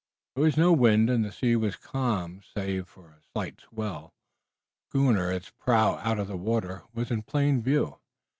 There was no wind and the sea was calm, save for a slight swell. The schooner, its prow out of the water, was in plain view.